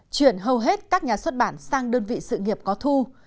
chuyển hầu hết các nhà xuất bản sang đơn vị sự nghiệp có thu